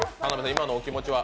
今のお気持ちは？